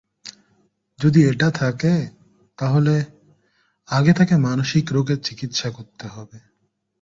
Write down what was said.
যদি এটা থাকে, তাহলে আগে তাঁকে মানসিক রোগের চিকিৎসা করতে হবে।